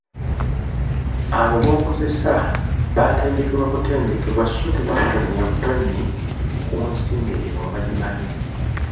Abo b'okozesa baatendekebwa butendekebwa so tebaatonya butonyi ku nsi ng'emirimu bagimanyi !